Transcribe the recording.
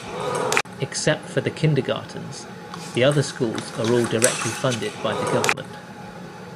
Except for the kindergartens, the other schools are all directly funded by the government.